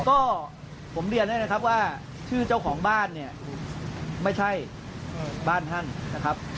ก็ผมเรียนให้นะครับว่าชื่อเจ้าของบ้านเนี่ยไม่ใช่บ้านท่านนะครับ